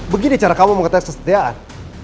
begini cara kamu mengatakan kesetiaan